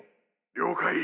了解！